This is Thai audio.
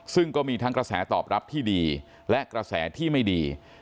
ซึ่งก็มีทั้งกระแสตอบรับที่ดีและกระแสที่ไม่ดี